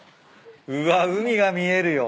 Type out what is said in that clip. うわ海が見えるよ。